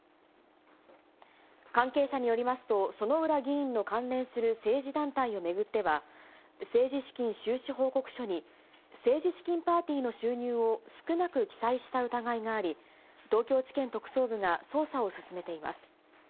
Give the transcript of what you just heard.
関係者によりますと、薗浦議員の関連する政治団体を巡っては、政治資金収支報告書に、政治資金パーティーの収入を少なく記載した疑いがあり、東京地検特捜部が捜査を進めています。